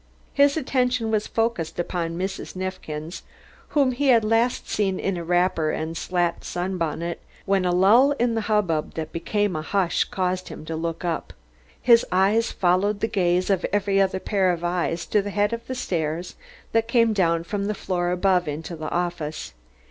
His attention was focused upon Mrs. Neifkins, whom he had last seen in a wrapper and slat sunbonnet, when a lull in the hubbub that became a hush caused him to look up. His eyes followed the gaze of every other pair of eyes to the head of the stairs that came down from the floor above into the office.